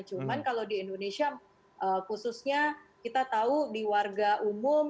cuman kalau di indonesia khususnya kita tahu di warga umum